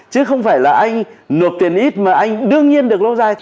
chứ không phải là anh nộp tiền ít mà anh đương nhiên được lâu dài